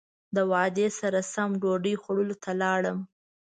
د وعدې سره سم ډوډۍ خوړلو ته لاړم.